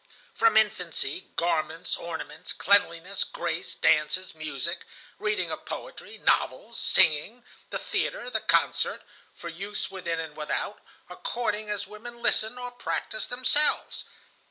From infancy garments, ornaments, cleanliness, grace, dances, music, reading of poetry, novels, singing, the theatre, the concert, for use within and without, according as women listen, or practice themselves.